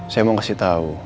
saya mau kasih tahu